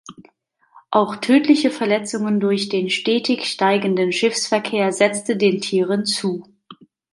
Auch tödliche Verletzungen durch den stetig steigenden Schiffsverkehr setzte den Tieren zu.